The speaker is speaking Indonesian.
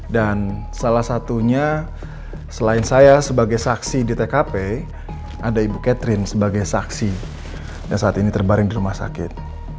dan salah satunya selain saya sebagai saksi di tkp ada ibu catherine sebagai saksi yang saat ini terbaring di rumah sakit